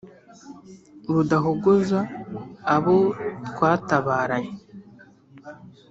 Rudahogoza abo twatabaranye.